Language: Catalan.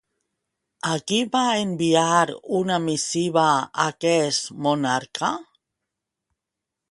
A qui va enviar una missiva aquest monarca?